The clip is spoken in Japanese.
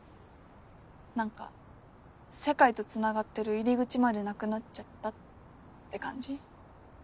何か世界とつながってる入り口までなくなっちゃったって感じ。